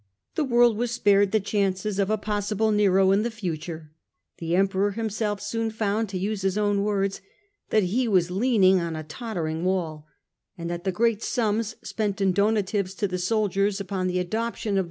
The world was spared the chances of a possible Nero in the future ; the Emperor himself soon found, to use his own words, ' that he was leaning on a totteiing wall,' and that the great sums spent in donatives to the soldiers upon the adoption of the